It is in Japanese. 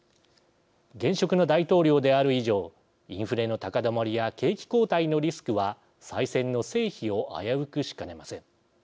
現職の大統領である以上インフレの高止まりや景気後退のリスクは再選の成否を危うくしかねません。